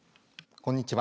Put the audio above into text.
こんにちは。